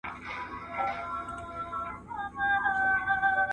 د ډیپلوماټیکو اړیکو له لارې د خلګو حقونه په بشپړه توګه نه پیژندل کیږي.